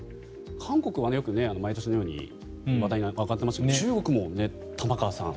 韓国はよく毎年のように話題に上がってますが中国も、玉川さん。